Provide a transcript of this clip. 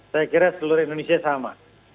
saya kira seluruh indonesia sama